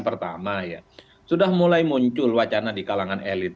pertama ya sudah mulai muncul wacana di kalangan elit